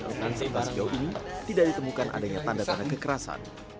di tasik biau ini tidak ditemukan adanya tanda tanda kekerasan